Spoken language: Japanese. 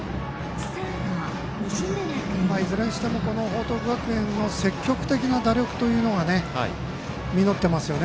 いずれにしても、報徳学園の積極的な打力というのが実っていますよね。